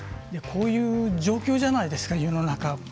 こういう状況じゃないですか世の中。